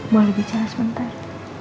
mau berbicara sebentar